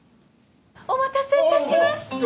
お待たせいたしました。